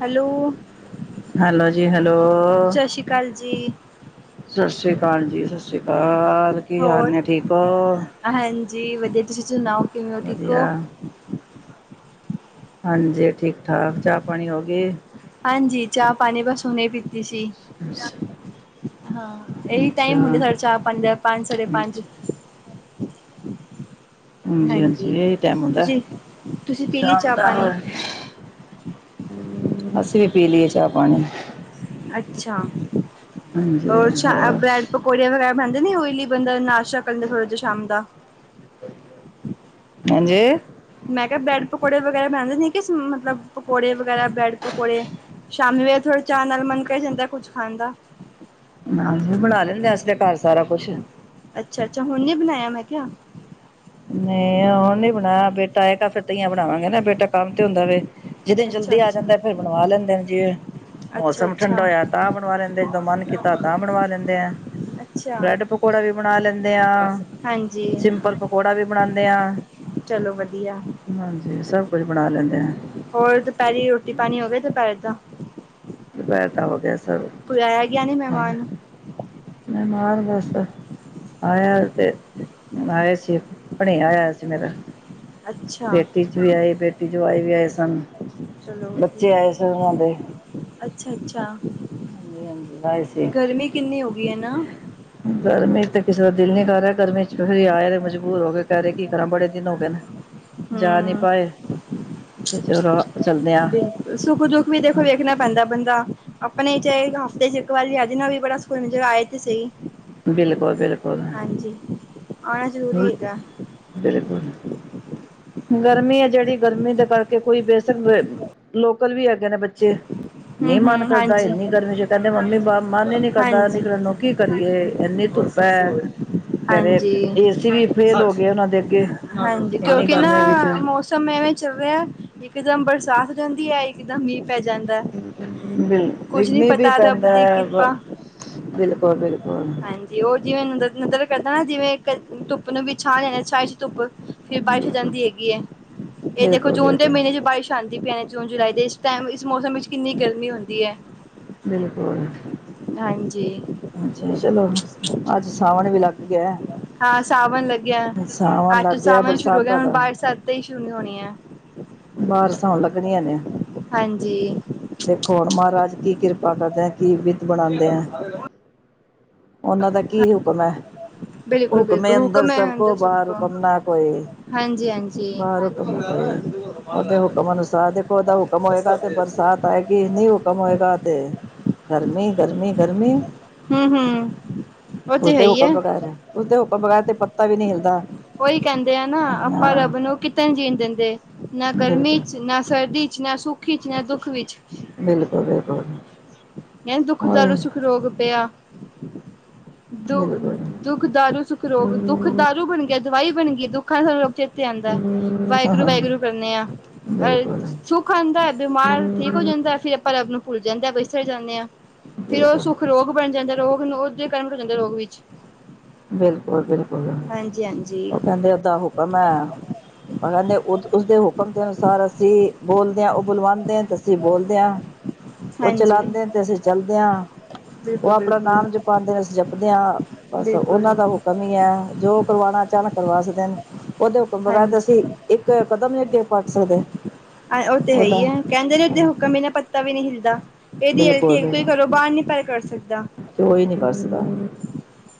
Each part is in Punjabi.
ਹੈਲੋ ਹੈਲੋ ਜੀ ਹੈਲੋ ਕਾਲ ਜੀ। ਸਸ ਸ੍ਰੀ ਅਕਾਲ ਜੀ ਸਸ ਸ਼੍ਰੀ ਅਕਾਲ ਕੀ ਹਾਲ ਹੋਰ ਨੇ ਠੀਕ ਓ। ਹਾਂਜੀ ਵਧੀਆ ਤੁਸੀਂ ਸੁਣਾਓ ਕਿਵੇਂ ਹੋ ਠੀਕ ਵਧੀਆ ਓ? ਹਾਂਜੀ ਠੀਕ-ਠਾਕ ਚਾਹ ਪਾਣੀ ਹੋਗੀ? ਹਾਂਜੀ ਚਾਹ-ਪਾਣੀ ਬਸ ਹੁਣੇ ਪੀ [inaudible] ਹਾਂ, ਏਈ ਅੱਛਾ ਟਾਈਮ ਹੁੰਦੇ ਸਾਡੇ ਚਾਹ ਪਾਣੀ ਦਾ ਪੰਜ, ਸਾਢੇ ਪੰਜ। ਹਾਂਜੀ ਹਾਂਜੀ-ਹਾਂਜੀ ਏਈ ਟੈਮ ਹੁੰਦੈ ਤੁਸੀਂ ਤੁਸੀਂ ਪੀ ਲਈ ਸ਼ਾਮ ਚਾਹ ਦਾ। ਪਾਣੀ ਅਸੀਂ ਵੀ ਪੀ ਲੀਏ ਚਾਹ ਪਾਣੀ ਅੱਛਾ ਹਾਂਜੀ ਓਰ ਛਾ ਆ ਹੋਰ ਬਰੇ ਪਕੌੜੇ ਵਗੈਰਾ ਬਣਦੇ ਨੀ ਓਈਲੀ ਬੰਦਾ ਨਾਸ਼ਾ ਕਰਦਾ ਥੋੜਾ ਜਾ ਸ਼ਾਮ ਦਾ। [inaudible] ਹਾਂਜੀ? ਮੈਂ ਕਿਆ ਬਰੈਂਡ ਪਕੌੜੇ ਵਗੈਰਾ [unintelligible] ਨੇ ਸ ਮਤਲਬ ਪਕੌੜੇ ਵਗੈਰਾ ਬਰੈੱਡ-ਪਕੌੜੇ ਸ਼ਾਮੀ ਵੇਲੇ ਥੋੜਾ ਚਾਹ ਨਾਲ ਮਨ ਕਰ ਜਾਂਦਾ ਕੁੱਛ ਖਾਣ ਦਾ। [unintelligible] ਅਸੀਂ ਬਣਾ ਲੈਂਦੇ ਅਸੀਂ ਤਾਂ ਘਰ ਸਾਰਾ ਕੁਛ। ਅੱਛਾ-ਅੱਛਾ ਹੁਣ ਨੀ ਬਣਾਇਆ ਮੈਂ ਕਿਆ? ਨਈ ਹੁਣ ਨੀ ਬਣਾਇਆ ਬੇਟਾ ਆਏਗਾ ਫੇਰ ਤਾਂਈਆ ਬਣਾਵਾਂਗੇ ਨਾ ਬੇਟਾ ਕੰਮ ਤੇ ਹੁੰਦਾ ਵੇ, ਜਿੱਦੇ ਅੱਛਾ ਜਲਦੀ ਆ ਜਾਂਦਾ ਅੱਛਾ ਫਿਰ ਬਣਵਾ ਲੈਂਦੇ ਨੇ ਜੇ। ਅੱਛਾ ਮੌਸਮ ਠੰਡਾ ਅੱਛਾ ਹੋਇਆ ਤਾਂ ਬਣਵਾ ਲੈਂਦਾ ਆ, ਜਦੋਂ ਮਨ ਕੀਤਾ ਤਾਂ ਬਣਵਾ ਲੈਂਦੇ ਐ। ਅੱਛਾ ਬ੍ਰੈੱਡ ਪਕੌੜਾ ਵੀ ਬਣਾ ਲੈਂਦੇ ਆ, ਹਾਂਜੀ ਸਿੰਪਲ ਪਕੌੜਾ ਵੀ ਬਣਾਂਦੇ ਆ ਚਲੋ ਵਧੀਆ। ਹਾਂਜੀ ਸਭ ਕੁਝ ਬਣਾ ਲੈਂਦੇ ਆ। ਹੋਰ ਦੁਪੈਰੀ ਰੋਟੀ-ਪਾਣੀ ਹੋ ਗਿਆ ਦੁਪੈਰੇ ਦਾ? ਦੁਪੈਰ ਦਾ ਹੋ ਗਿਆ ਸਬ ਕੋਈ ਆਇਆ ਗਿਆ ਨਹੀਂ ਮਹਿਮਾਨ ਮੈਂ [unintelligible] ਬਸ ਆਇਆ ਤੇ ਆਏ ਸੀ ਭਣੇਆ ਆਇਆ ਸੀ ਮੇਰਾ। [unintelligible] ਅੱਛਾ ਚ ਆਏ ਵੀ ਆਏ ਸਨ ਬੱਚੇ ਆਏ ਸਨ ਉਨਾਂ ਦੇ। ਅੱਛਾ-ਅੱਛਾ, ਹਾਂਜੀ ਹਾਂਜੀ ਆਏ ਸੀ। ਗਰਮੀ ਕਿੰਨੀ ਹੋਗੀ ਐ ਨਾ। ਗਰਮੀ ਚ ਤੇ ਕਿਸੇ ਦਾ ਦਿਲ ਨੀ ਕਰ ਰਿਆ ਗਰਮੀ ਚ ਫਿਰ ਆਏ ਮਜਬੂਰ ਹੋਕੇ ਕੈ ਰੇ ਕੀ ਕਰਾਂ ਬੜੇ ਦਿਨ ਹੋਗੇ ਨੇ। ਜਾ ਨੀ ਹਮ ਪਾਏ, ਤੇ ਚਲੋ ਚੱਲਦੇ ਆ। ਸੁੱਖ-ਦੁੱਖ ਵੀ ਦੇਖੋ ਵੇਖਣਾ ਪੈਂਦਾ ਬੰਦਾ ਆਪਣੇ ਚ ਹਫ਼ਤੇ ਚ ਇੱਕ ਵਾਰੀ ਆਜੇ ਨਾ ਵੀ ਬੜਾ [unintelligible] ਚ ਆਏ ਤੇ ਸਈ। ਬਿਲਕੁਲ ਬਿਲਕੁਲ ਹਾਂਜੀ, ਆਣਾ ਜ਼ਰੂਰੀ ਹੈਗਾ। ਬਿਲਕੁਲ, ਗਰਮੀ ਐ ਜੇੜੀ ਗਰਮੀ ਦੇ ਕਰਕੇ ਕੋਈ ਬੇਸਨ [unintelligible] ਲੋਕਲ ਵੀ ਹੈਗੇ ਨੇ ਬੱਚੇ। ਨੀ ਹਮ ਮਨ ਹਮ ਕਰਦਾ ਹਾਂਜੀ ਇੰਨੀ ਗਰਮੀ 'ਚ ਕਹਿੰਦੇ ਮੰਮੀ ਬਾ ਮਨ ਈ ਨੀ ਕਰਦਾ ਨਿਕਲਣ ਨੂੰ, ਕੀ ਕਰੀਏ। ਇੰਨੀ ਹੋਰ ਧੁੱਪ ਸਭ ਸੌ ਹੈ। ਰਹੇ ਨੇ? ਕਹਿ ਰਹੇ ਹਾਂਜੀ, ਏਸੀ ਵੀ ਫੇਲ ਸਠ ਹੋ ਗਏ ਉਹਨਾਂ ਦੇ ਅੱਗੇ ਹਾਂਜੀ, ਇੰਨੀ ਕਿਉਂਕਿ ਨਾ ਗਰਮੀ ਵਿੱਚ ਮੋ ਮੌਸਮ ਐਵੇਂ ਚੱਲ ਰਿਹਾ, ਇੱਕਦਮ ਬਰਸਾਤ ਹੋ ਜਾਂਦੀ ਐ, ਇੱਕ ਦਮ ਮੀਂਹ ਪੈ ਜਾਂਦਾ। ਕੁੱਝ ਨੀ ਮੀਂਹ ਵੀ ਪਤਾ ਰੱਬ ਦੀ ਪੈਂਦੈ, ਕਿਰਪਾ ਬਿਲਕੁਲ-ਬਿਲਕੁਲ। ਹਾਂਜੀ, ਉਹ ਜਿਵੇਂ ਨ ਨਦਰ ਕਰਦਾ ਨਾ ਜਿਵੇਂ ਧੁੱਪ ਨੂੰ ਵੀ ਛਾ ਲੈਣੇ ਛਾ ਈਚ ਧੁੱਪ। ਫਿਰ ਬਾਰਿਸ਼ ਆ ਜਾਂਦੀ ਹੈਗੀ ਏ, ਇਹ ਦੇਖੋ ਬਿਲਕੁਲ ਜੂਨ ਦੇ ਬਿਲਕੁਲ ਮਹੀਨੇ'ਚ ਬਾਰਿਸ਼ ਹਾਂਜੀ, ਪਿਆਣੀ ਜੂਨ-ਜੁਲਾਈ ਦੇ ਟਾਈਮ, ਇਸ ਮੌਸਮ ਵਿੱਚ ਕਿੰਨੀ ਗਰਮੀ ਹੁੰਦੀ ਐ। ਬਿਲਕੁਲ। ਹਾਂਜੀ। ਅੱਛਾ ਚਲੋ, ਅੱਜ ਸਾਵਣ ਵੀ ਲੱਗ ਗਿਆ। ਹਾਂ ਸਾਵਣ ਲੱਗਿਆ, ਸਾਵਣ ਅੱਜ ਲੱਗ ਤੋਂ ਗਿਆ ਸਾਵਣ ਸ਼ੁਰੂ ਹੋਗਿਆ ਬਰਸਾਤਾਂ ਹੁਣ ਦਾ ਬਾਰ ਸਾਵਣ ਤੋਂ ਈ ਸ਼ੁਰੂ ਹੋਣੀ ਹੈ। ਬਾਰਿਸ਼ਾਂ ਆਉਣ ਲੱਗਣੀਆਂ ਨੇ। ਹਾਂਜੀ। ਦੇਖੋ, ਹੁਣ ਮਹਾਰਾਜ ਕੀ ਕਿਰਪਾ ਕਰਦੇ ਐ ਕੀ ਵਿੱਧ ਬਣਾਂਦੇ ਆ। ਉਹਨਾਂ ਦਾ ਕੀ ਹੁਕਮ ਐ। ਬਿਲਕੁਲ-ਬਿਲਕੁਲ, ਹੁਕਮੈ ਅੰਦਰ ਸਭ ਬਾਹਰ ਕੋ, ਹਾਂਜੀ-ਹਾਂਜੀ। ਬਾਹਰੋਂ ਕੰਮ ਕਰੇ ਉਹਦੇ ਹੂਕਮ ਅਨੁਸਾਰ ਦੇਖੋ, ਉਹਦਾ ਹੂਕਮ ਹੋਏਗਾ ਤੇ ਬਰਸਾਤ ਆਏਗੀ ਨਹੀ ਹੁਕਮ ਹੋਏਗਾ, ਤੇ ਗਰਮੀ-ਗਰਮੀ-ਗਰਮੀ। ਹੂੰ-ਹੂੰ ਉਸਦੇ ਹੁਕਮ ਬਗੈਰ, ਉਸਦੇ ਹੁਕਮ ਬਗੈਰ ਤੇ ਪੱਤਾ ਵੀ ਨਹੀਂ ਹਿਲਦਾ। ਉਹੀ ਕਹਿੰਦੇ ਆ ਨਾ, ਆਪਾ ਹਾਂ ਰੱਬ ਨੂੰ ਕਿਤੇ ਨੀ ਜੀਣ ਦਿੰਦੇ। ਨਾ ਬਿਲਕੁਲ ਗਰਮੀ'ਚ, ਨਾ ਸਰਦੀ'ਚ ਨਾ ਸੁਖ ਈਚ, ਨਾ ਦੁਖ ਵਿੱਚ। ਬਿਲਕੁਲ-ਬਿਲਕੁਲ। ਕੈਂਦ ਦੁੱਖ ਦਾਰੂ ਸੁਖ ਰੋਗ ਪਿਆ। ਦੁ, ਬਿਲਕੁਲ ਦੁੱਖ ਦਾਰੂ ਸੁੱਖ ਰੋਗ, ਦੁੱਖ ਦਾਰੂ ਬਣ ਗਿਆ, ਦਵਾਈ ਬਣ ਗਈ, ਦੁੱਖਾਂ ਸੂੰ ਤੇ ਆਂਦਾ, ਬਿਲਕੁਲ ਵਾਹਿਗੁਰੂ-ਵਾਹਿਗੁਰੂ ਕਰਨੇ ਆ। ਅ ਬਿਲਕੁਲ ਸੁੱਖ ਆਂਦਾ, ਬਿਮਾਰ ਠੀਕ ਹੋ ਜਾਂਦਾ ਫਿਰ ਆਪਾਂ ਰੱਬ ਨੂੰ ਭੁੱਲ ਜਾਂਦਾ, ਬਿਸਰ ਜਾਂਦੇ ਆ, ਫਿਰ ਉਹ ਸੁੱਖ ਰੋਗ ਬਣ ਜਾਂਦਾ ਰੋਗ ਨੂੰ ਉਹ ਜੇ ਕਰਮ ਹੋ ਜਾਂਦਾ, ਰੋਗ ਵਿੱਚ। ਬਿਲਕੁਲ-ਬਿਲਕੁਲ, ਹਾਂਜੀ ਹਾਂਜੀ ਉਹ ਕਹਿੰਦੇ ਓਦਾ ਹੁਕਮ ਐ ਕਹਿੰਦੇ ਉਸਦੇ ਹੁਕਮ ਦੇ ਅਨੁਸਾਰ ਅਸੀਂ ਬੋਲਦੇ ਆਂ, ਉਹ ਬੁਲਵਾਉਂਦੇਨ ਤੇ ਅਸੀਂ ਬੋਲਦੇ ਆ। ਉਹ ਹਾਂਜੀ ਚਲਾਂਦੇਨ ਤੇ ਅਸੀਂ ਚਲਦੇ ਆਂ, ਉਹ ਬਿਲਕੁਲ ਆਪਣਾ ਬਿਲਕੁਲ ਨਾਮ ਜਪਾਂਦੇ ਨੇ ਅਸੀਂ ਜਪਦੇ ਆਂ। ਬਿਲਕੁਲ ਉਹਨਾਂ ਦਾ ਹੁਕਮ ਹੀ ਐ, ਜੋ ਕਰਵਾਣਾ ਅਚਾਨਕ ਕਰਵਾ ਸਕਦੇਨ, ਉਹਦੇ ਹੁਕਮ ਬਗੈਰ ਹਾਂਜੀ ਅਸੀਂ ਇੱਕ ਇੱਕ ਕਦਮ ਨੀ ਅੱਗੇ ਪੱਟ ਸਕਦੇ। ਉਹ ਤੇ ਉਹਦਾ ਹੈਹੀ ਐ, ਕਹਿੰਦੇ ਨੇ ਉਹਦੇ ਹੁਕਮ ਬਿਨਾਂ ਪੱਤਾ ਵੀ ਨਹੀਂ ਹਿਲਦਾ। ਇਹਦੀ ਏਲਟੀ ਬਿਲਕੁਲ ਇਕ ਤੋ ਬਿਲਕੁਲ ਕਰੋ, ਬਾਹਰ ਨੀ ਪਰ ਕਰ ਸਕਦਾ। ਕੋਈ ਨਹੀਂ ਵੱਸਦਾ।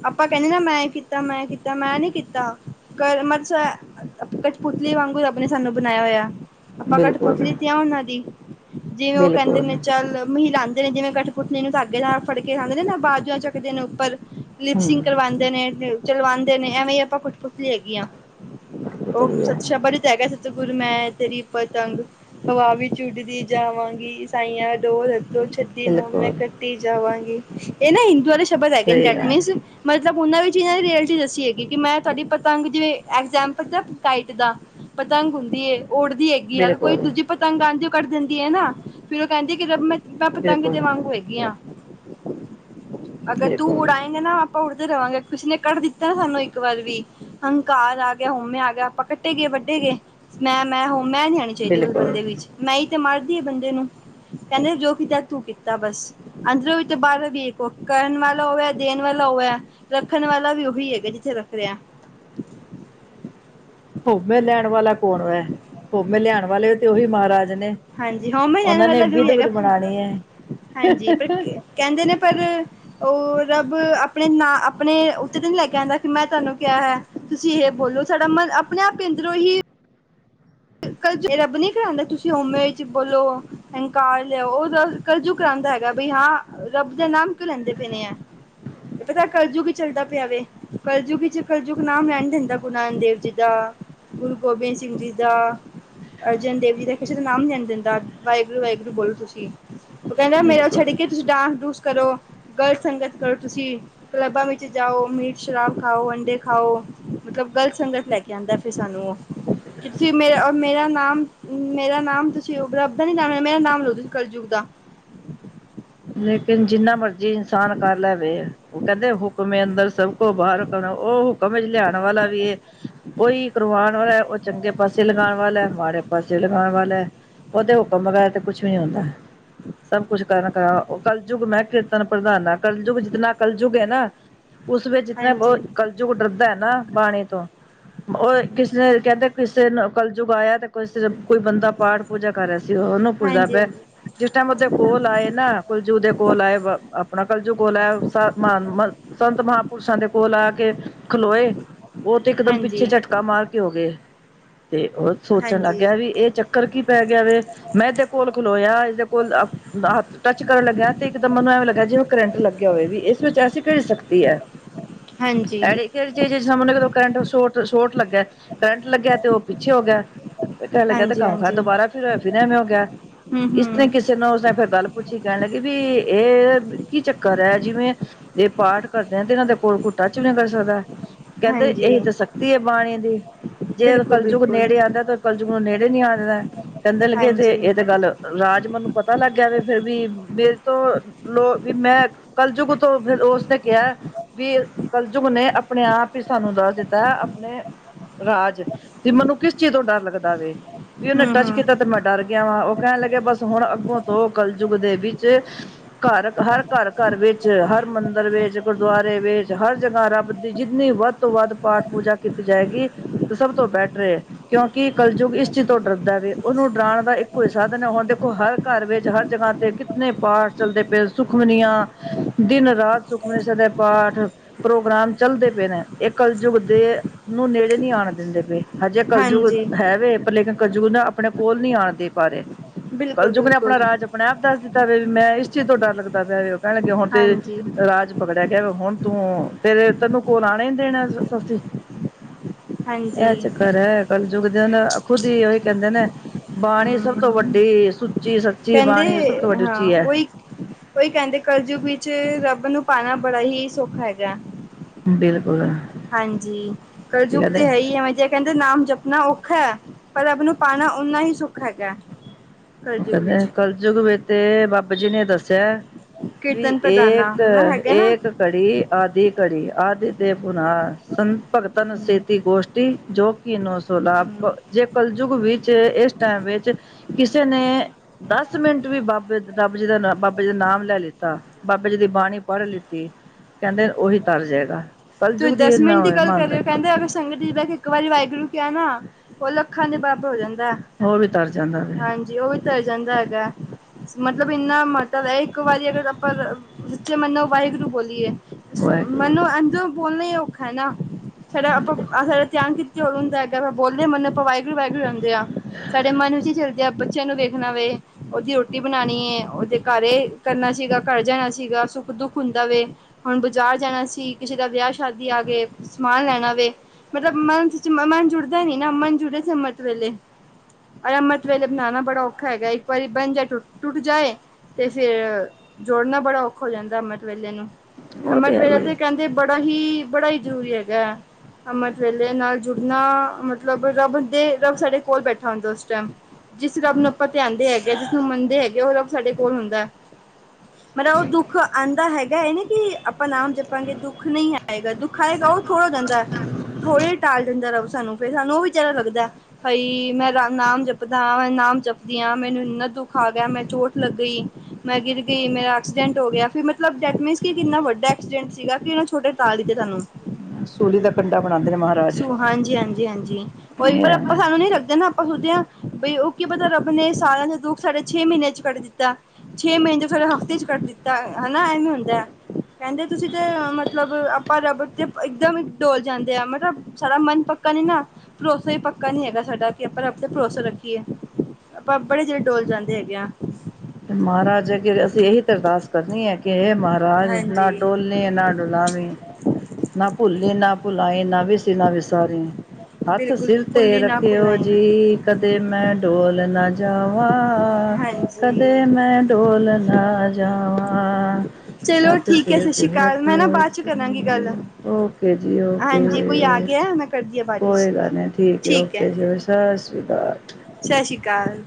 ਆਪਾਂ ਕਹਿੰਨੇ ਨਾ ਮੈਂ ਇਹ ਕੀਤਾ, ਮੈਂ ਕੀਤਾ, ਮੈਂ ਨੀ ਕੀਤਾ, ਕਰਮ'ਚ ਕਠਪੁਤਲੀ ਵਾਂਗੂ ਰਬ ਨੇ ਸਾਨੂੰ ਬਣਾਇਆ ਹੋਇਆ। ਆਪਾਂ ਬਿਲਕੁਲ ਕਠਪੁਤਲੀ ਤੇ ਆ ਉਹਨਾਂ ਦੀ, ਜਿਵੇਂ ਉਹ ਕਹਿੰਦੇ ਬਿਲਕੁਲ ਨੇ ਚੱਲ, ਮਹਿਲਾ ਜਿਵੇਂ ਕਠਪੁਤਲੀ ਨੂੰ ਧਾਗੇ ਨਾਲ ਫੜਕੇ ਖਾਂਦੇ ਨੇ, ਨਾ ਬਾ ਜਾ ਚੱਕਦੇ ਨੇ ਉੱਪਰ, ਲਿਪਸਿੰਗ ਹਮ ਕਰਵਾਂ ਨੇ ਚਲਵਾਂਦੇ ਨੇ, ਐਵੇਂ ਈ ਆਪਾਂ ਕਠਪੁਤਲੀ ਹੈਗੀ ਆ, ਉਹ ਪੁਤਰੀ ਹੈ [unintelligible] ਸਤਿਗੁਰੂ ਮੈਂ ਤੇਰੀ ਪਤੰਗ ਹਵਾ ਵਿੱਚ ਉੱਡਦੀ ਜਾਵਾਂਗੀ। ਸਾਈਆਂ ਡੋਰ ਹ ਡੋਰ ਛੱਡੀ ਨਾ ਮੈਂ ਬਿਲਕੁਲ ਕੱਟੀ ਜਾਵਾਂਗੀ, ਏ ਨਾਂ ਹਿੰਦੂਆਂ ਦੇ ਸ਼ਬਦ ਹੈਗੇ ਨੇਂ। ਡੇ ਸਹੀ ਗੱਲ ਮਤਲਬ ਓਨਾਂ ਵੀਚੀ ਰਿਅਲਟੀ ਦੱਸੀ ਹੈਗੀ ਕਿ ਮੈਂ ਤੁਹਾਡੀ ਪਤੰਗ ਜਿਵੇਂ ਐਗਜੈਂਪਲ ਦਾ ਕਾਈਟ ਦਾ ਪਤੰਗ ਹੁੰਦੀ ਏ ਓਡਦੀ ਹੈਗੀ ਆ ਕੋਈ ਬਿਲਕੁਲ ਦੂਜੀ ਪਤੰਗ ਆਂਦੀ ਓ ਕੱਟ ਦਿੰਦੀ ਐ ਨਾਂ। ਫੇਰ ਓ ਕੈਂਦੀ ਕਿ ਜਦ ਮੈਂ ਮੈਂ ਪਤੰਗ ਬਿਲਕੁਲ ਦੇ ਵਾਂਗੂ ਹੈਗੀ ਆਂ, ਅਗਰ ਤੂੰ ਬਿਲਕੁਲ ਉੜਾਏਂ ਕੈ ਨਾਂ ਆਪਾਂ ਉੱਠਦੇ ਰਵਾਂਗੇ। ਕਿਸ ਨੇ ਕੱਢ ਦਿੱਤਾ ਨਾਂ ਸਾਨੂੰ ਇੱਕ ਵਾਰ ਵੀ ਹੰਕਾਰ ਆ ਗਿਆ, ਹਉਮੇਂ ਆ ਗਿਆ। ਆਪਾਂ ਕੱਟੇ ਗਏ, ਵੱਢੇ ਗਏ। ਮੈਂ, ਮੈਂ ਹੋ ਮੈਂ ਨੀਂ ਹੈਗੀ ਚਾਈਦੀ ਫਿਰ ਬਿਲਕੁਲ ਬੰਦੇ ਵਿੱਚ, ਮੈਂ ਈ ਤੇ ਮਾਰਦੀ ਐ ਬੰਦੇ ਨੂੰ। ਕੈਂਦੇ ਜੋ ਕਿ ਕੀਤਾ ਤੂੰ ਕੀਤਾ ਬਸ। ਅੰਦਰੋਂ ਵੀ ਤੇ ਬਾਰੋਂ ਵੀ ਕੋ ਕਰਨ ਵਾਲਾ ਓ ਵੈ। ਦੇਣ ਵਾਲਾ ਓ ਐ, ਰੱਖਣ ਵਾਲਾ ਵੀ ਉਹੀ ਹੈਗਾ ਜਿੱਥੇ ਰੱਖ ਰਿਆ। ਹੋਂਅਮੇਂ ਲੈਣ ਵਾਲਾ ਕੌਣ ਵੇ, ਹੋਂਅਮੇ ਲਿਆਣ ਵਾਲੇ ਤੇ ਉਹੀ ਮਹਾਰਾਜ ਨੇਂ। ਹਾਂਜੀ, ਹੋਂਅਮੇ ਲੈਣ ਵਾਲਾ ਵੀ ਓਹੀ ਹੈਗਾ। ਹੈ। ਹਾਂਜੀ, ਪਰ ਕੈਂਦੇ ਨੇ ਪਰ ਓ ਰੱਬ ਆਪਣੇ ਨਾਂ ਆਪਣੇ ਉੱਤੇ ਤੇ ਨ੍ਹੀਂ ਲੈਕੇ ਆਂਦਾ ਕਿ ਮੈਂ ਤੁਹਾਨੂੰ ਕਿਆ ਹੈ। ਤੁਸੀਂ ਏਹ ਬੋਲੋ, ਸਾਡਾ ਮਨ ਆਪਣੇ ਆਪ ਅੰਦਰੋਂ ਹੀ ਕਲਯੁੱਗ। ਏ ਰੱਬ ਨੀਂ ਕਰਾਂਦਾ ਤੁਸੀਂ ਹੋਮੇ ਚ ਬੋਲੋ। ਹੰਕਾਰ ਲਿਆਓ ਓ ਦਾ ਕਰਜੂ ਕਰਾਂਦਾ ਹੈਗਾ ਬਈ ਹਾਂ। ਰੱਬ ਦਾ ਨਾਮ ਕਿਉਂ ਲੈਂਦੇ ਪੈਣੇ ਆ। ਬੜਾ ਕਲਯੁਗ ਕੀ ਚੱਲਦਾ ਪਿਆ ਵੇ। ਕਲਯੁਗੀ ਚ ਕਲਜੁਗ ਨਾਮ ਲੈਣ ਨੀਂ ਦਿੰਦਾ ਗੁਰੂ ਨਾਨਕ ਦੇਵ ਜੀ ਦਾ। ਗੁਰੂ ਗੋਬਿੰਦ ਸਿੰਘ ਜੀ ਦਾ। ਅਰਜਨ ਦੇਵ ਜੀ ਦਾ ਕਿਸੇ ਦਾ ਨਾਮ ਲੈਣ ਦਿੰਦਾ। ਵਾਹਿਗੁਰੂ ਵਾਹਿਗੁਰੂ ਬੋਲੋ ਤੁਸੀਂ। ਓ ਕੈਂਦਾ ਮੇਰਾ ਛੱਡ ਕੇ ਤੁਸੀਂ ਡਾਂਸ-ਡੂੰਸ ਕਰੋ, ਗਲਤ ਸੰਗਤ ਕਰੋ ਤੁਸੀਂ ਕਲੱਬਾਂ ਵਿੱਚ ਜਾਓ ਮੀਟ, ਸ਼ਰਾਬ ਖਾਓ। ਅੰਡੇ ਖਾਓ। ਮਤਲਬ ਗ਼ਲਤ ਸੰਗਤ ਲੈ ਕੇ ਆਂਦਾ ਫਿਰ ਸਾਨੂੰ ਉਹ। ਕਿਥੇ ਮੇਰਾ ਮੇਰਾ ਨਾਮ, ਮੇਰਾ ਨਾਮ ਤੁਸੀਂ ਉਪ ਰੱਬ ਦਾ ਨੀਂ ਨਾਂ ਲੈ। ਮੇਰਾ ਨਾਮ ਲਓ ਤੁਸੀ ਕਲਯੁਗ ਦਾ। ਲੇਕਿਨ ਜਿੰਨਾ ਮਰਜੀ ਇਨਸਾਨ ਕਰ ਲੈਵੇ, ਓ ਕੈਂਦੇ ਹੁਕਮੇ ਅੰਦਰ ਸਭ ਕੋ ਬਾਰ ਕੋਣ, ਓ ਹੁਕਮ ਇੱਚ ਲਿਆਣ ਵਾਲਾ ਵੀ ਐ। ਉਹੀ ਕਰਵਾਣ ਵਾਲਾ ਐ, ਓ ਚੰਗੇ ਪਾਸੇ ਲਗਾਣ ਵਾਲਾ ਐ, ਮਾੜੇ ਪਾਸੇ ਲਗਾਣ ਵਾਲਾ ਐ। ਓਦੇ ਹੁਕਮ ਬਗੈਰ ਤੇ ਕੁਛ ਨੀਂ ਹੁੰਦਾ। ਸਭ ਕੁਛ ਕਰਨ ਕਲਯੁੱਗ ਮੇਂ ਕੀਰਤਨ ਪ੍ਰਧਾਨਾਂ। ਕਲਯੁੱਗ ਜਿਤਨਾਂ ਕਲਯੁੱਗ ਐ ਨਾ ਉਸ ਵਿੱਚ ਜਿਤਨਾਂ ਹਾਂਜੀ ਬੋਹਤ ਕਲਜੁਗ ਡਰਦਾ ਐ ਨਾਂ, ਬਾਣੀ ਤੋਂ। ਓਏ ਕਿਸੇ ਕੈਂਦੇ ਕਿਸੇ ਨੂੰ ਕਲਯੁੱਗ ਆਇਆ ਤੇ ਕੋਈ ਸੇ ਕੋਈ ਬੰਦਾ ਪਾੜ ਪੂਜਾ ਕਰ ਰਿਆ ਸੀ ਓਨੂੰ ਪੁੱਛਦਾ ਹਾਂਜੀ ਹਾਂਜੀ ਪਿਆ, ਜਿਸ ਟਾਈਮ ਓਦੇ ਕੋਲ ਆਏ ਨਾ ਕੁਲਜੂਗ ਦੇ ਕੋਲ ਆਏ, ਆਪਣਾ ਕਲਜੂਗ ਕੋਲ ਆਇਆ ਸਾ ਮਾਣ ਮ ਸੰਤ ਮਹਾਂਪੁਰਸ਼ਾਂ ਦੇ ਕੋਲ ਆ ਕੇ ਖਲੋਏ। ਓ ਤੇ ਇਕ ਦਮ ਪਿੱਛੇ ਹਾਂਜੀ ਝਟਕਾ ਮਾਰ ਹੋ ਗੇ ਤੇ ਓਹ ਸੋਚਣ ਲੱਗ ਹਾਂਜੀ ਗਿਆ ਵੀ ਏ ਚੱਕਰ ਕਰ ਕੀ ਪੈ ਗਿਆ ਵੇ, ਮੈਂ ਏਦੇ ਕੋਲ ਖਲੋਇਆ ਏਦੇ ਕੋਲ ਟੱਚ ਕਰਨ ਲੱਗਿਆ ਤੇ ਇੱਕਦਮ ਮੈਂਨੂੰ ਐਵੇਂ ਲੱਗਿਆ ਜਿਵੇਂ ਕਰੰਟ ਲੱਗਿਆ ਹੋਵੇ ਵੀ। ਇਸ ਵਿੱਚ ਐਸੀ ਕੇੜੀ ਸ਼ਕਤੀ ਐ। ਹਾਂਜੀ। ਫਿਰ ਜੇ ਦੇ [unintelligible] ਕਰੰਟ ਸ਼ੋਰਟ, ਸ਼ੋਰਟ ਲੱਗਾ। ਕਰੰਟ ਲੱਗਿਆ ਤੇ ਓ ਪਿੱਛੇ ਹੋ ਗਿਆ ਤੇ ਕੈਣ ਲੱਗਿਆ ਤੇ ਹਾਂਜੀ, ਕੰਮ ਕਾਰ ਦੁਬਾਰਾ ਫਿਰ, ਫਿਰ ਐਵੇਂ ਹੋ ਗਿਆ। ਹਂ, ਹਂ। ਜਿਵੇਂ ਉਸਨੇਂ ਫਿਰ ਗੱਲ ਪੁੱਛੀ, ਕੈਣ ਲੱਗੀ ਵੀ ਏ ਕੀ ਚੱਕਰ ਐ। ਜਿਵੇਂ ਜੇ ਪਾਠ ਕਰਦੇ ਆ ਤੇ ਏਨਾਂ ਦੇ ਕੋਲ ਕੋਈ ਟੱਚ ਵੀ ਨੀਂ ਕਰ ਸਕਦਾ। ਕੈਂਦੇ ਹਾਂਜੀ, ਏਹੀ ਤੇ ਸਕਤੀ ਐ ਬਾਣੀ ਦੀ। ਜੇ ਬਿਲਕੁਲ, ਕਲਯੁਗ ਬਿਲਕੁਲ, ਨੇੜੇ ਆਂਦਾ ਤੇ ਕਲਯੁਗ ਨੂੰ ਨੇੜੇ ਨੀ ਆ ਜਾਂਦਾ ਕਹਿੰਦੇ ਲੱਗੇ ਤੇ ਹਾਂਜੀ, ਇਹ ਤੇ ਗੱਲ ਰਾਜ ਮੈਨੂੰ ਪਤਾ ਲੱਗ ਗਿਆ ਵੈ ਫਿਰ ਵੀ ਮੇਰੇ ਤੋਂ ਲੋ ਵੀ ਮੈਂ ਕੱਲ ਜੁਗ ਤੋਂ ਫਿਰ ਉਸਨੇ ਕਿਹਾ। ਵੀ ਕਲਯੁਗ ਨੇ ਆਪਣੇ ਆਪ ਹੀ ਸਾਨੂੰ ਦੱਸ ਦਿੱਤਾ ਆਪਣੇ ਰਾਜ ਤੇ ਮੈਨੂੰ ਕਿਸ ਚੀਜ਼ ਤੋਂ ਡਰ ਲੱਗਦਾ ਵੇ। ਵੀ ਉਹਨੇ ਹੂੰ, ਟੱਚ ਕੀਤਾ ਹੂੰ, ਤੇ ਮੈਂ ਡਰ ਗਿਆ ਵਾ ਉਹ ਕਹਿਣ ਲੱਗੇ ਬਸ ਹੁਣ ਅੱਗੋਂ ਤੋਂ ਕਲਯੁੱਗ ਦੇ ਵਿੱਚ ਘਰ ਹਰ ਘਰ ਘਰ ਵਿੱਚ ਹਰ ਮੰਦਰ ਵਿੱਚ ਗੁਰਦੁਆਰੇ ਵਿੱਚ ਹਰ ਜਗ੍ਹਾ ਰੱਬ ਦੀ ਜਿੰਨੀ ਵੱਧ ਤੋਂ ਵੱਧ ਪਾਠ ਪੂਜਾ ਕੀਤੀ ਜਾਏਗੀ ਤੇ ਸਭ ਤੋਂ ਬੈਟਰ ਐ ਕਿਉਂਕਿ ਕਲਯੁੱਗ ਇਸ ਚੀਜ਼ ਤੋਂ ਡਰਦਾ ਵੈ ਉਹਨੂੰ ਡਰਾਉਣ ਦਾ ਇੱਕੋ ਹੀ ਸਾਧਨ ਹੈ ਹੁਣ ਦੇਖੋ ਹਰ ਘਰ ਵਿੱਚ ਹਰ ਜਗ੍ਹਾ ਤੇ ਕਿਤਨੇ ਪਾਠ ਚੱਲਦੇ ਪਏ ਸੁਖਮਨੀਆਂ ਦਿਨ ਰਾਤ ਸੁਖਮਨੀ ਸਾਹਿਬ ਦੇ ਪਾਠ ਪ੍ਰੋਗਰਾਮ ਚੱਲਦੇ ਪਏ ਨੇ ਇਹ ਕਲਯੁੱਗ ਦੇ ਨੂੰ ਨੇੜੇ ਨਹੀਂ ਆਉਣ ਦਿੰਦੇ ਪਏ। ਹਜੇ ਕਲਯੁੱਗ ਹਾਂਜੀ, ਹੈ ਵੀ ਪਰ ਲੇਕਿਨ ਕਲਯੁਗ ਨਾ ਆਪਣੇ ਕੋਲ ਨਹੀਂ ਆਉਣ ਦੇ ਪਾ ਰਹੇ ਬਿਲਕੁਲ, ਕਲਯੁਗ ਨੇ ਬਿਲਕੁਲ, ਆਪਣਾ ਰਾਜ ਆਪਣੇ -ਆਪ ਦੱਸ ਦਿੱਤਾ ਵੇ ਮੈ ਇਸ ਚੀਜ਼ ਤੋਂ ਡਰ ਲੱਗਦਾ ਪਿਆ ਵੇ ਡਰ ਲੱਗੇ ਆ ਹੁਣ ਤੇ ਹਾਂਜੀ, ਰਾਜ। ਪਕੜਿਆ ਗਿਆ ਹੁਣ ਤੂੰ, ਤੇਰੇ ਤੈਨੂੰ ਕੋਲ ਆਉਣਾ ਹੀ ਦੇਣਾ ਅ ਅਸੀ ਹਾਂਜੀ, ਇਹ ਚੱਕਰ ਐ। ਕਲਯੁੱਗ ਦਿਆਂ ਦਾ ਖੁਦ ਉਹੀ ਕਹਿੰਦੇ ਨੇ ਬਾਣੀ ਸਭ ਤੋਂ ਹੂੰ, ਵੱਡੀ ਸੁੱਚੀ ਸ ਕਹਿੰਦੇ ਬਾਣੀ ਸਭ ਤੋਂ ਵੱਡੀ ਉੱਚੀ ਐ। ਕੋਈ ਕਹਿੰਦੇ ਕਲਯੁੱਗ ਵਿੱਚ, ਰੱਬ ਨੂੰ ਪਾਣਾ ਬੜਾ ਹੀ ਸੌਖਾ ਹੈਗਾ। ਬਿਲਕੁਲ [unintelligible] ਹਾਂਜੀ, ਕੀ ਕਲਜੁਗ ਤੇ ਕਹਿੰਦੇ ਹੈ ਹੀ ਐ ਅਜੇ। ਕਹਿੰਦੇ ਨਾਮ ਜਪਣਾ ਔਖਾ ਹੈ, ਪਰ ਰੱਬ ਨੂੰ ਪਾਉਣਾ ਓਨਾ ਹੀ ਸੋਖਾ ਹੈਗਾ ਉਹ ਕਲਯੁੱਗ ਵਿਚ ਕਹਿੰਦੇ ਕਲਯੁਗ ਵਿੱਚ ਤੇ ਬਾਬੇ ਜੀ ਨੇ ਦੱਸਿਆ, ਵੀ ਕੀਰਤਨ ਪ੍ਰਧਾਨਾ ਹਨਾ ਹੈਗਾ ਨਾ, ਏਕ-ਏਕ ਘੜੀ ਆਦਿ ਘੜੀ ਆਦਿ ਤੇ ਪੁੰਨ-ਸੰਨ ਭਗਤਨ ਹੂੰ, ਸੇਤੀ ਗੋਸ਼ਟੀ ਜੋ ਕਿ ਨੋ ਸੌ ਲਾਭ ਹੂੰ। ਜੇ, ਕਲਯੁਗ ਵਿੱਚ ਇਸ ਟਾਈਮ ਵਿਚ ਚ ਨੇ ਦਸ ਮਿੰਟ ਵੀ ਬਾਬੇ ਰੱਬ ਜੀ, ਦਾ ਬਾਬੇ ਜੀ ਦਾ ਨਾਮ ਲੈ ਲਿੱਤਾ ਬਾਬੇ ਜੀ ਦੀ ਬਾਣੀ ਪੜ੍ਹ ਲਿੱਤੀ, ਕਹਿੰਦੇ ਉਹੀ ਤਰ ਜਾਏਗਾ। ਤੁਸੀਂ ਕਲਯੁੱਗ ਦੀ ਦਸ ਨਾ ਮਿੰਟ ਹੀ ਹੋਏ ਗੱਲ ਕਰ ਮਹਾਨਤਾ ਰਹੇ ਹੋ, ਕਹਿੰਦੇ ਅਗਰ ਸੰਗਤ ਵਿੱਚ ਬਹਿ ਕੇ ਇਕ ਵਾਰੀ ਵਾਹਿਗੁਰੂ ਕਿਹਾ ਨਾ ਉਹ ਲੱਖਾਂ ਦੇ ਬਰਾਬਰ ਹੋ ਜਾਂਦਾ ਐ। ਹੋਰ ਵੀ ਤਰ ਜਾਂਦਾ ਵੇ ਹਾਜੀਂ, ਉਹ ਵੀ ਤਰ ਜਾਂਦਾ ਹੈਗਾ। ਮਤਲਬ, ਇੰਨਾ ਮਹੱਤਵ ਇੱਕ ਵਾਰੀ ਅਗਰ ਆਪਾਂ ਸੱਚੇ ਮਨ ਨਾਲ ਵਾਹਿਗੁਰੂ ਬੋਲੀਏ। ਵਾਹਿਗੁਰੂ ਮੈਨੂੰ ਇੰਜ ਬੋਲਣਾ ਹੀ ਔਖਾ ਹੈ ਨਾ ਫਿਰ ਆਪਾਂ ਆਖਰ ਧਿਆਨ ਕੀ ਉਹ ਹੁੰਦਾ ਹੈਗਾ ਆਪਾਂ ਬੋਲਦੇ ਮਨ ਆਪਾਂ ਵਾਹਿਗੁਰੂ ਵਾਹਿਗੁਰੂ ਆਉਂਦੇ ਆ, ਸਾਡੇ ਮਨ ਵਿੱਚ ਹੀ ਚੱਲਦੇ ਆ ਬੱਚਿਆਂ ਨੂੰ ਵੇਖਣਾ ਵੇ। ਉਦੀ ਰੋਟੀ ਬਣਾਉਣੀ ਹੈ, ਉਹ ਓਦੇ ਘਰ ਕਰਨਾ ਸੀਗਾ ਘਰ ਜਾਣਾ ਸੀਗਾ ਸੁੱਖ ਦੁੱਖ ਹੁੰਦਾ ਵੇ ਹੁਣ ਬਾਜ਼ਾਰ ਜਾਣਾ ਸੀ, ਕਿਸੇ ਦਾ ਵਿਆਹ ਸ਼ਾਦੀ ਆ ਗਏ ਸਮਾਨ ਲੈਣਾ ਵੇ। ਮਤਲਬ ਮਨ 'ਚ ਮਨ ਜੁੜਦਾ ਨੀ, ਨਾ ਮਨ ਜੁੜੇ ਅੰਮ੍ਰਿਤ ਵੇਲੇ। ਅੰਮ੍ਰਿਤ ਵੇਲੇ ਬਣਾਣਾ ਬੜਾ ਔਖਾ ਹੈਗਾ, ਇੱਕ ਵਾਰੀ ਬਣ ਜਾਏ ਟੁਟ ਜਾਏ ਤੇ ਫੇਰ ਜੋੜਨਾ ਬੜਾ ਔਖਾ ਜਾਂਦਾ ਅੰਮ੍ਰਿਤ ਵੇਲੇ ਨੂੰ ਉਹ ਅੰਮਿਤ ਹੈ ਵੇਲੇ ਹੀ ਤੇ ਹੈ ਕਹਿੰਦੇ ਤੇ ਬੜਾ ਹੀ, ਬੜਾ ਹੀ ਜ਼ਰੂਰੀ ਹੈਗਾ ਹੈ। ਅੰਮ੍ਰਿਤ ਵੇਲੇ ਨਾਲ ਜੁੜਨਾ ਮਤਲਬ ਰੱਬ ਦੇ ਰੱਬ ਸਾਡੇ ਕੋਲ ਬੈਠਾ ਹੁੰਦਾ ਉਸ ਟਾਈਮ। ਜਿਸ ਰੱਬ ਨੂੰ ਆਪਾਂ ਧਿਆਦੇਂ ਹੈਗੇ ਆ, ਜਿਸਨੂੰ ਮੰਨਦੇ ਹੈਗੇ ਉਹ ਰੱਬ ਸਾਡੇ ਕੋਲ ਹੁੰਦਾ। ਮਤਲਬ ਉਹ ਦੁੱਖ ਆਂਦਾਂ ਹੈਗਾ ਇਹ ਨੀ ਕਿ ਆਪਾਂ ਨਾਮ ਜਪ ਦੁੱਖ ਨਹੀਂ ਆਏਗਾ ਦੁੱਖ ਆਏਗਾ ਉਹ [unintelligible] ਰਹਿੰਦਾ ਥੋੜ੍ਹੇ ਟਾਲ ਦਿੰਦਾ ਰੱਬ ਸਾਨੂੰ ਫੇਰ ਸਾਨੂੰ ਉਹ ਵੀ ਜ਼ਿਆਦਾ ਲੱਗਦੈ ਹਈ ਮੈਂ ਰਾਮ ਨਾਮ ਜਪਦਾਂ ਹਾਂ ਏ ਨਾਮ ਜਪਦੀ ਹਾਂ ਮੈਨੂੰ ਇੰਨਾ ਦੁੱਖ ਆ ਗਿਆ ਮੈਂ ਚੋਟ ਲੱਗ ਈ ਮੈਂ ਗਿਰ ਗਈ ਮੇਰਾ ਐਕਸੀਡੈਂਟ ਹੋ ਗਿਆ ਫਿਰ ਮਤਲਬ ਢੈਟ ਮੀਨਸ ਕਿ ਕਿੰਨਾ ਵੱਡਾ ਐਕਸੀਡੈਂਟ ਸੀਗਾ ਕਿ ਸੋਡੇ [unintelligible] ਸੂਲੀ ਦਾ ਕੰਢਾ ਬਣਾਉਂਦੇ ਨੇ ਮਹਾਰਾ ਸੂ ਹਾਂਜੀ ਹਾਂਜੀ ਹਾਜੀਂ ਉਈ ਪਰ ਇਹ ਆਂਪਾਂ ਸਾਨੂੰ ਨਹੀਂ ਕਰਦੇ ਨਾਂ ਆਂਪ [unintelligible] ਬਈ ਉਹ ਕੀ ਪਤਾ ਰੱਬ ਨੇ ਸਾਲਾਂ ਦਾ ਦੁੱਖ ਸਾਢੇ ਛੇ ਮਹੀਨਿਆਂ ਚ ਕੱਢ ਦਿੱਤਾ ਛੇ ਮਹੀਨੇ [unintelligible] ਸਾਡਾ ਹਫ਼ਤੇ ਚ ਕੱਢ ਦਿੱਤਾ ਹਨਾ ਐਵੇਂ ਹੁੰਦਾ ਹੈ ਕਹਿੰਦੇ ਤੁਸੀਂ ਤੇ ਮਤਲਬ ਆਪਾਂ ਰੱਬ ਅੱਗੇ ਇਕਦਮ ਹੀ ਡੋਲ ਜਾਂਦੇ ਆ ਮਤਲਬ ਸਾਡਾ ਮਨ ਪੱਕਾ ਨੀ ਨਾ ਭਰੋਸਾ ਹੀ ਪੱਕਾ ਨੀ ਹੈਗਾ ਸਾਡਾ ਕਿ ਆਪਾਂ ਰੱਬ ਤੇ ਭਰੋਸਾ ਰੱਖੀਏ ਆਪਾਂ ਬੜੀ ਛੇਤੀ ਡੋਲ ਜਾਂਦੇ ਹੈਗੇ ਆਂ ਤੇ ਮਹਾਰਾਜ ਅਗੇ ਅਸੀਂ ਇਹੀ ਤੇ ਅਰਦਾਸ ਕਰਨੀ ਹੈ ਕਿ ਇਹ ਮਹਾਰਾਜ ਨਾ ਹਾਂਜੀ ਡੋਲੀ ਨਾ ਡੁਲਾਂਵੀ ਨਾ ਭੁੱਲੀਂ ਨਾ ਭੁਲਾਈ ਨਾ ਵਿਸੀ ਨਾ ਵਿਸਾਰੀ ਹੱਥ ਬਿਲਕੁਲ ਸਿਲ ਤੇ ਭੁੱਲੀ ਨਾ ਰੱਖਿਓ ਭੁਲਾਈ ਜੀ ਕਦੇ ਮੈਂ ਡੋਲ ਨਾ ਜਾਵਾਂ ਹਾਂਜੀ ਕਦੇ ਮੈਂ ਡੋਲ ਨਾ ਜਾਵਾਂ ਚਲੋ ਠੀਕ [inaudible] ਹੈ ਸਤਿ ਸ਼੍ਰੀ ਅਕਾਲ ਮੈਂ ਨਾ ਬਾਅਦ ਚ ਕਰਾਂਗੀ ਗੱਲ ਓਕੇ ਜੀ ਓਕੇ ਹਾਂਜੀ ਕੋਈ ਆ ਗਿਆ ਮੈਂ ਕਰਦੀ ਆ ਬਾਅਦ ਵਿੱਚ ਕੋਈ ਗੱਲ ਨੀ ਠੀਕ ਏ ਓਕੇ ਜੀ ਸਤਿ ਸ਼੍ਰੀ ਅਕਾਲ ਸ਼ਸ ਸ਼੍ਰੀ ਅਕਾਲ